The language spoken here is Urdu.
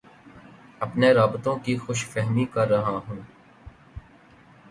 اپنے رابطوں کی خوش فہمی کررہا ہوں